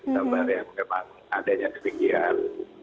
gambar yang memang adanya ketinggian